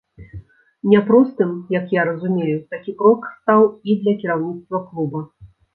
Няпростым, як я разумею, такі крок стаў і для кіраўніцтва клуба.